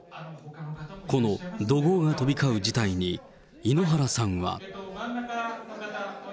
この怒号が飛び交う事態に、井ノ原さんは。